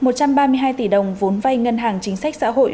một trăm ba mươi hai tỷ đồng vốn vay ngân hàng chính sách xã hội